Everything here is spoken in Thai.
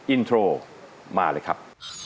อินโทรมาเลยครับ